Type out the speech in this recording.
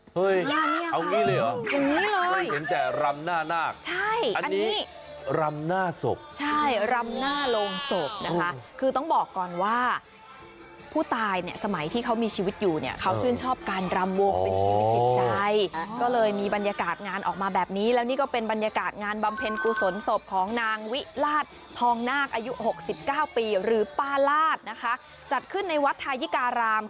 เฮ้ยเอาอย่างนี้เลยหรอรำเพ็ญแต่รำหน้านากใช่อันนี้รำหน้าศพใช่รำหน้าโรงศพนะคะคือต้องบอกก่อนว่าผู้ตายเนี่ยสมัยที่เขามีชีวิตอยู่เนี่ยเขาชื่นชอบการรำวงเป็นชีวิตใจก็เลยมีบรรยากาศงานออกมาแบบนี้แล้วนี่ก็เป็นบรรยากาศงานบำเพ็ญกุศลศพของนางวิลาธทองนากอายุหกสิบเก้าปีหรือปลาลาธนะคะ